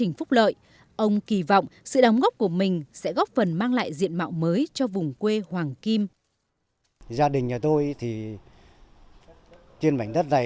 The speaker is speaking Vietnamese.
và tình phúc lợi ông kỳ vọng sự đóng góp của mình sẽ góp phần mang lại diện mạo mới cho vùng quê hoàng kim